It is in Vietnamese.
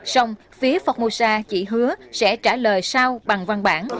xong phía formosa chỉ hứa sẽ trả lời sau bằng văn bản